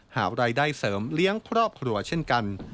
หารายได้เสริมเลี้ยงครอบครัวเช่นกัน